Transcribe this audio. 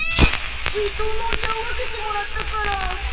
水筒のお茶を分けてもらったから。